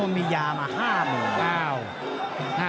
มันต้องอย่างงี้มันต้องอย่างงี้